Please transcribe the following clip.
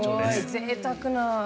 ぜいたく！